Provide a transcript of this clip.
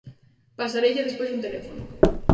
Pasareille despois un teléfono.